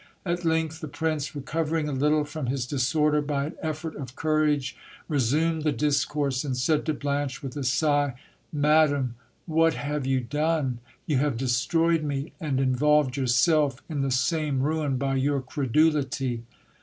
At length the prince, recovering a little from his disorder by an effort of courage, resumed the discourse, and said to Blanche with a sigh — Madam, what have you done ? You have destroyed me, and involved yourself in the same ruin by your credulity.